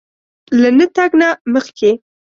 له نه تګ نه مخکې